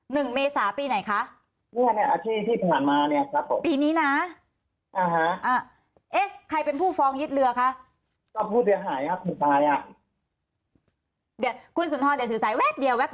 หนึ่งเมษาปีไหนคะเนี้ยเนี้ยอาทิตย์ที่ผ่านมาเนี้ยครับผม